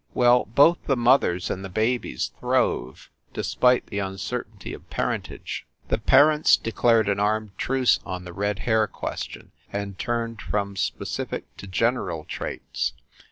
Well, both the mothers and the babies throve, despite the uncertainty of parentage. The parents declared an armed truce on the red hair question, and turned from specific to general traits.